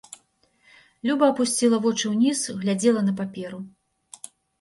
Люба апусціла вочы ўніз, глядзела на паперу.